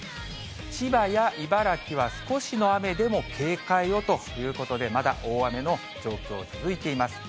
千葉や茨城は少しの雨でも警戒をということで、まだ大雨の状況続いています。